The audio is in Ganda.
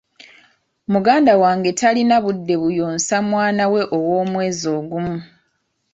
Muganda wange talina budde buyonsa mwana we ow'omwezi ogumu.